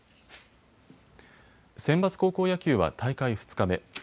センバツ高校野球は大会２日目。